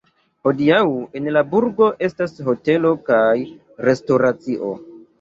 Hodiaŭ en la burgo estas hotelo kaj restoracio.